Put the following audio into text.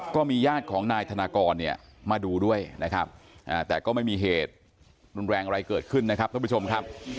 ก็มีญาติของนายธนากรเนี่ยมาดูด้วยนะครับแต่ก็ไม่มีเหตุรุนแรงอะไรเกิดขึ้นนะครับท่านผู้ชมครับ